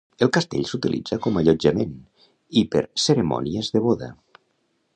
El castell s'utilitza com allotjament i per cerimònies de boda.